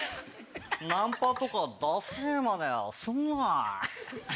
ナンパとかダセェまねはすんな。